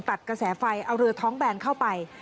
ตัดกระแสไฟเอาเรือท้องแบนเข้าไป